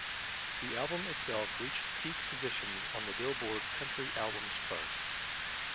The album itself reached peak positions on the "Billboard" country albums chart.